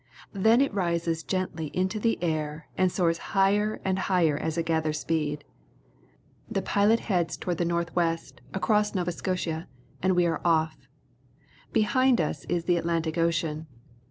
Then it rises gently into the air and flew from Halifax to Winnipeg, g^.^.g higher and higher as it gathers speed. The pilot heads toward the north west across Nova Scotia, and we are off. Behind us is the Atlantic Ocean.